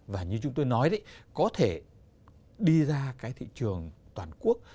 và như chúng tôi nói có thể đi ra thị trường toàn quốc